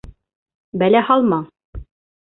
— Бәлә һалма!